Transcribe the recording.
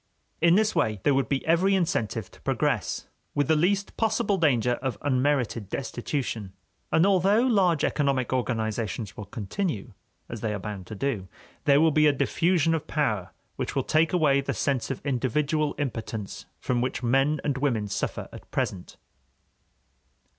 In this way there would be every incentive to progress, with the least possible danger of unmerited destitution. And although large economic organizations will continue, as they are bound to do, there will be a diffusion of power which will take away the sense of individual impotence from which men and women suffer at present.